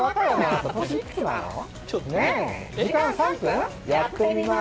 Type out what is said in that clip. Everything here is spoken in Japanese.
時間３分、やってみます。